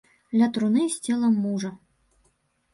Ля труны з целам мужа.